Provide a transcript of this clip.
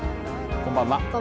こんばんは。